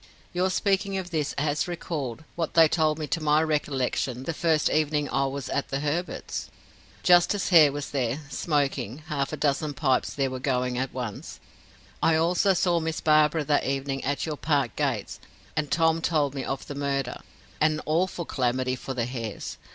Your speaking of this has recalled, what they told me to my recollection, the first evening I was at the Herberts. Justice Hare was there, smoking half a dozen pipes there were going at once. I also saw Miss Barbara that evening at your park gates, and Tom told me of the murder. An awful calamity for the Hares.